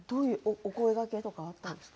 お声がけとかあったんですか。